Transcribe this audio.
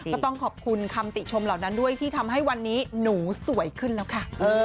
ก็ต้องขอบคุณคำติชมเหล่านั้นด้วยที่ทำให้วันนี้หนูสวยขึ้นแล้วค่ะ